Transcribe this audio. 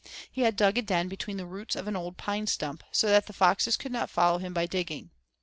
He had dug a den between the roots of an old pine stump, so that the foxes could not follow him by digging.